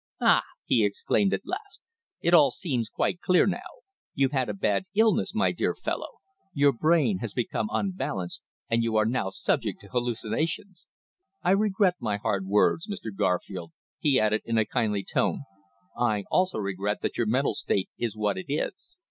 "Ah!" he exclaimed at last. "It all seems quite clear now. You've had a bad illness, my dear fellow! Your brain has become unbalanced, and you are now subject to hallucinations. I regret my hard words, Mr. Garfield," he added in a kindly tone. "I also regret that your mental state is what it is."